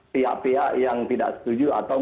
pihak pihak yang tidak setuju atau